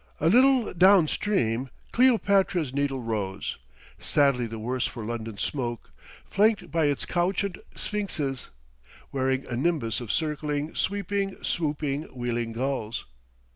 A little down stream Cleopatra's Needle rose, sadly the worse for London smoke, flanked by its couchant sphinxes, wearing a nimbus of circling, sweeping, swooping, wheeling gulls.